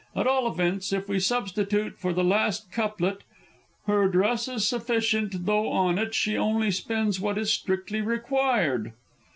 At all events, if we substitute for the last couplet, "Her dress is sufficient though on it She only spends what is strictly required."